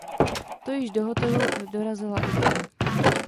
To již do hotelu dorazila i Věra.